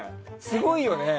すごいよね！